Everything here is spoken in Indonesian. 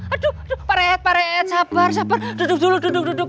aduh pak rehat pak rehat sabar sabar duduk dulu duduk duduk